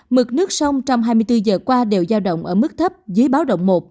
mực nước sông trong hai mươi bốn giờ qua đều giao động ở mức thấp dưới báo động một